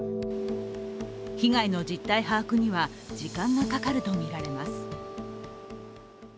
被害の実態把握には時間がかかるとみられます。